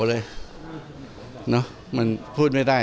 หรือเคยเห็นพฤติกรรมของผู้ติดตาม